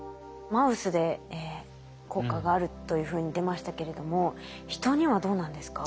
マウスで効果があるというふうに出ましたけれども人にはどうなんですか？